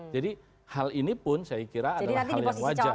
jadi hal ini pun saya kira adalah hal yang wajar